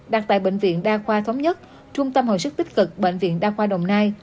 đặt tại bệnh viện đa khoa thống nhất trung tâm hồi sức tích cực bệnh viện đa khoa đồng nai